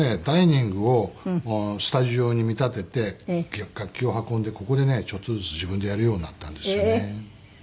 ダイニングをスタジオに見立てて楽器を運んでここでねちょっとずつ自分でやるようになったんですよね。